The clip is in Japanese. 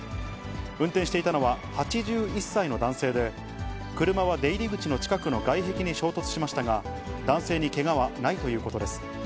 運転していたのは８１歳の男性で、車は出入り口の近くの外壁に衝突しましたが、男性にけがはないということです。